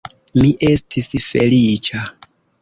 Mi estis feliĉa.